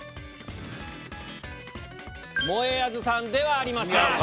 もえあずさんではありません。